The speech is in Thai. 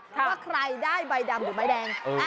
ว่าใครได้ใบดำหรือใบแดง